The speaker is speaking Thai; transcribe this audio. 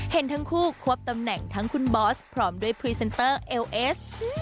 เห็นทั้งคู่ควบตำแหน่งทั้งคุณบอสพร้อมด้วยพรีเซนเตอร์เอลเอส